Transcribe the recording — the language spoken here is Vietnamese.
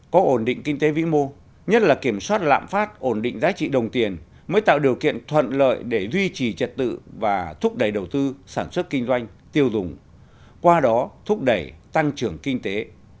có ổn định kinh tế vĩ mô nhất là kiểm soát lạm phát ổn định giá trị đồng tiền mới tạo điều kiện thuận lợi để duy trì trật tự và thúc đẩy đầu tư sản xuất kinh doanh tiêu dùng qua đó thúc đẩy tăng trưởng kinh tế